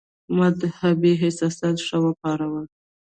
مدهبي احساسات ښه وپارول.